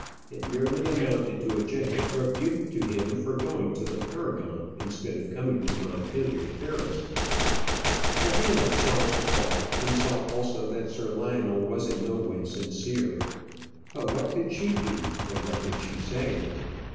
It merely amounted to a gentle rebuke to him for going to the Paragon instead of coming to Montpellier Terrace. Adela saw it all, and saw also that Sir Lionel was in no way sincere. But what could she do, or what could she say?